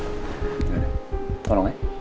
gak ada tolong ya